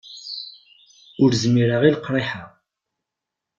Ur zmireɣ i leqriḥ-a.